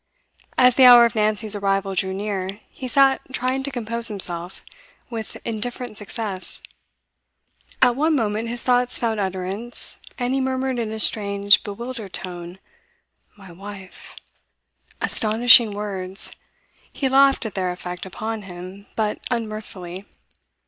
As the hour of Nancy's arrival drew near, he sat trying to compose himself with indifferent success. At one moment his thoughts found utterance, and he murmured in a strange, bewildered tone 'My wife.' Astonishing words! He laughed at their effect upon him, but unmirthfully.